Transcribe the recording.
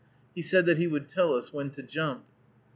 He said that he would tell us when to jump.